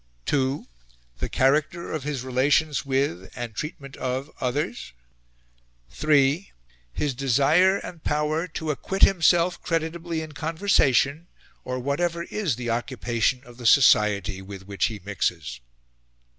(2) The character of his relations with, and treatment of, others. (3) His desire and power to acquit himself creditably in conversation or whatever is the occupation of the society with which he mixes."